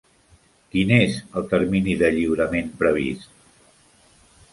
Quin és el termini de lliurament previst?